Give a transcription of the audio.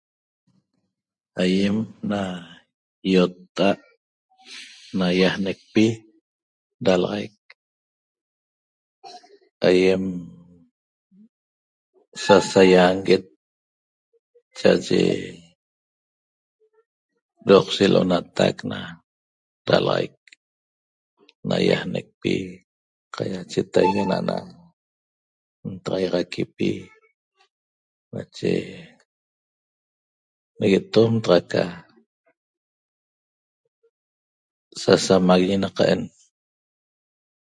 Aiem na iotta'at naiaanecpi ralaxaic aiem sasaianguet cha'aye roqshe lo'onatac na ralaxaic naiaanecpi qaiacheitaigui na'ana ntaxaiaxaquipi nache neguetom taxa ca sasamaguiñi naqaen